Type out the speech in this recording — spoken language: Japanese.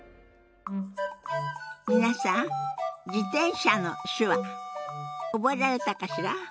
皆さん「自転車」の手話覚えられたかしら？